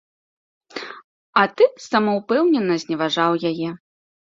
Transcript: А ты самаўпэўнена зневажаў яе.